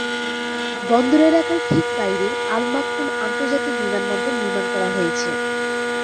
বন্দর এলাকার ঠিক বাইরে আল মাকতুম আন্তর্জাতিক বিমানবন্দর নির্মাণ করা হয়েছে।